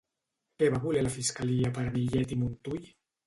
Què va voler la fiscalia per a Millet i Montull?